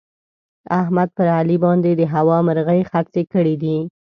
احمد پر علي باندې د هوا مرغۍ خرڅې کړې دي.